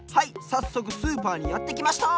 さっそくスーパーにやってきました！